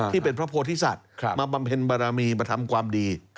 ที่เป็นพระโพธิสัตว์มาบำเพ็ญบารมีมาทำความดี